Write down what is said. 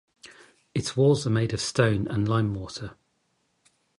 Its walls are made of stone and lime mortar.